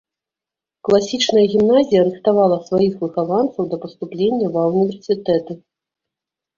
Класічная гімназія рыхтавала сваіх выхаванцаў да паступлення ва ўніверсітэты.